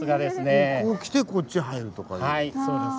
こう来てこっちへ入るとかいう。